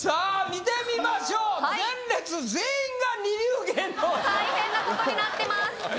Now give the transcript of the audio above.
見てみましょう前列全員が二流芸能人大変なことになってます